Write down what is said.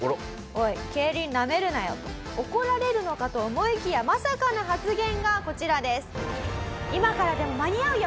「おい競輪なめるなよ」と怒られるのかと思いきやまさかの発言がこちらです。